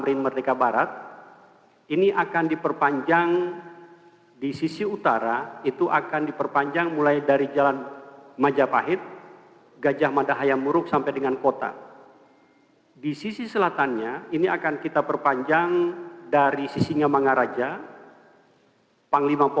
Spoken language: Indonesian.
dan koridor dua yang semula hanya sudirmanap